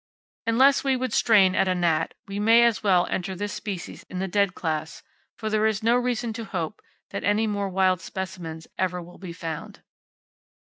Unless we would strain at a gnat, we may just as well enter this species in the dead class; for there is no reason to hope that any more wild specimens ever will be found.